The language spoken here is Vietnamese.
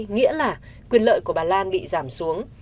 nghĩa là quyền lợi của bà lan bị giảm xuống